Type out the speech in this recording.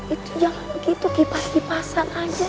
itu jangan begitu kipas dipasang aja